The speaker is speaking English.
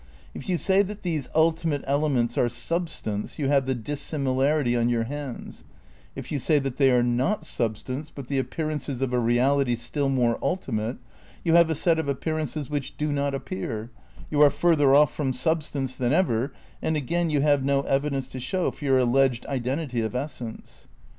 If you say that these ultimate elements are substance you ha, ve the dissimilarity on your hands ; if you say that they are not substance but the appearances of a reality still more ultimate, you have a set of appear ances which do not appear, you are further off from substance than ever, and again you have no evidence to show for your alleged identity of essence.